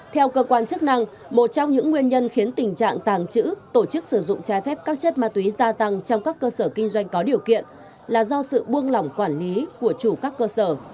theo cơ quan chức năng một trong những nguyên nhân khiến tình trạng tàng trữ tổ chức sử dụng trái phép các chất ma túy gia tăng trong các cơ sở kinh doanh có điều kiện là do sự buông lỏng quản lý của chủ các cơ sở